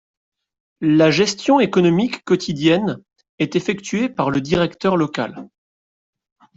La gestion économique quotidienne est effectuée par le directeur local.